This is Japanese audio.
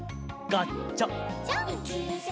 ガチャン。